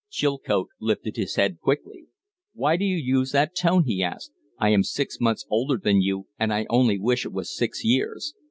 Chilcote lifted his head quickly. "Why do you use that tone?" he asked. "I am six months older than you, and I only wish it was six years.